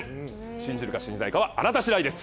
信じるか信じないかはあなた次第です。